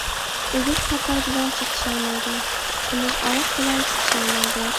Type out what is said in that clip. ئېگىز پاكار بىلەن چىقىشالمايدۇ، سېمىز ئاۋاق بىلەن چىقىشالمايدۇ.